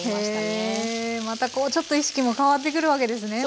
またこうちょっと意識も変わってくるわけですね